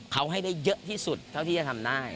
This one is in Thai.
เขาให้ได้เยอะที่สุดเท่าที่จะทำได้